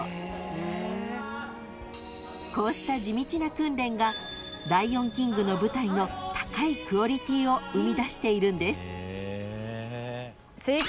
［こうした地道な訓練が『ライオンキング』の舞台の高いクオリティーを生み出しているんです］